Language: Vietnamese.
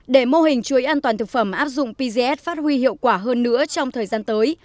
để mô hình chuỗi an toàn thực phẩm áp dụng pcs phát huy hiệu quả hơn nữa trong thời gian tới